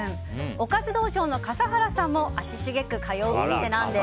おかず道場の笠原さんも足しげく通うお店なんです。